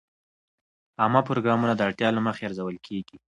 عامه پروګرامونه د اړتیا له مخې ارزول کېږي.